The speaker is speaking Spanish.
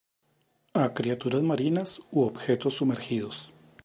A criaturas marinas u objetos sumergidos.